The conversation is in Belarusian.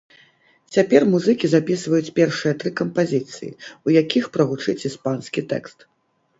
Цяпер музыкі запісваюць першыя тры кампазіцыі, у якіх прагучыць іспанскі тэкст.